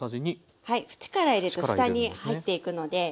縁から入れると下に入っていくので。